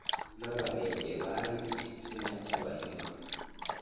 n'Abarenge bari igitsina cy'Abahima